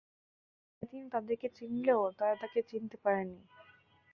তাই তিনি তাদেরকে চিনলেও তারা তাকে চিনতে পারেনি।